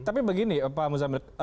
tapi begini pak musa mir